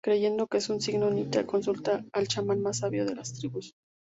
Creyendo que es un signo, Nita consulta al chamán más sabio de las tribus.